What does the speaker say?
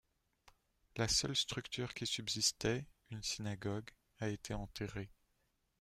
La seule structure qui subsistait, une synagogue, a été enterrée.